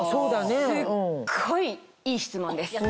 すっごいいい質問です。